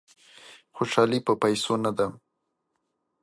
خوشالي په پیسو نه ده.